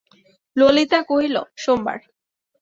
ললিতা কহিল, সোমবার।